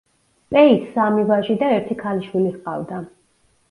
პეის სამი ვაჟი და ერთი ქალიშვილი ჰყავდა.